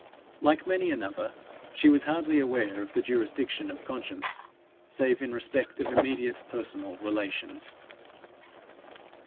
Like many another, she was hardly aware of the jurisdiction of conscience, save in respect of immediate personal relations.